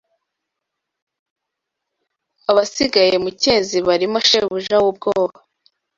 Abasigaye mu cyezi barimo shebuja w,ubwoba